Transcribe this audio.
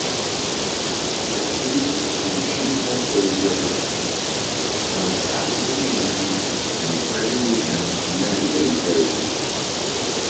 Jeffreys is from Sheepshead Bay, Brooklyn, of African American and Puerto Rican American heritage.